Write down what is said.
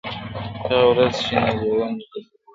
• هغه ورځ چي نه لېوه نه قصابان وي -